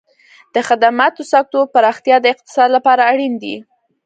د خدماتو سکتور پراختیا د اقتصاد لپاره اړین دی.